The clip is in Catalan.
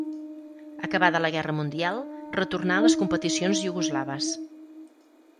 Acabada la Guerra Mundial retornà a les competicions iugoslaves.